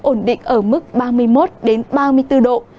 ổn định ở mức ba mươi một ba mươi bốn độ